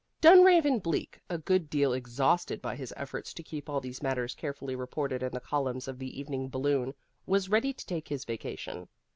Dunraven Bleak, a good deal exhausted by his efforts to keep all these matters carefully reported in the columns of the Evening Balloon, was ready to take his vacation.